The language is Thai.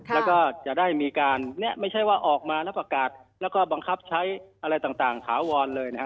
แล้วก็จะได้มีการเนี่ยไม่ใช่ว่าออกมาแล้วประกาศแล้วก็บังคับใช้อะไรต่างถาวรเลยนะครับ